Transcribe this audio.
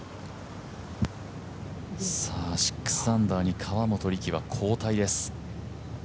６アンダーに、河本力は後退です。